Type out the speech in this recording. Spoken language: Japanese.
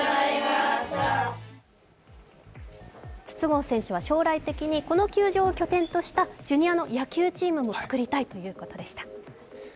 筒香選手は将来的に、この球場を拠点としたジュニアの野球チームも作りたいということでした。